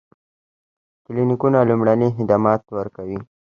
کلینیکونه لومړني خدمات ورکوي